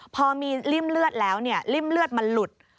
พอมีริ่มเลือดแล้วริ่มเลือดมันหลุด